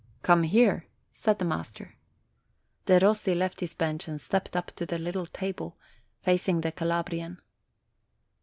"Come here," said the master. Derossi left his bench and stepped up to the little table, facing the Cala brian.